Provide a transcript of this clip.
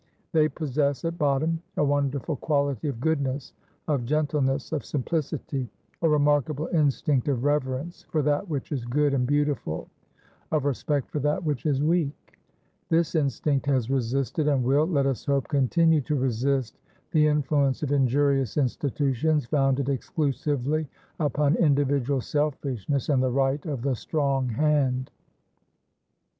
They possess at bottom a wonderful quality of goodness, of gentleness, of simplicity, a remarkable instinct of reverence for that which is good and beautiful, of respect for that which is weak. This instinct has resisted, and will, let us hope, continue to resist, the influence of injurious institutions founded exclusively upon individual selfishness and the right of the strong hand.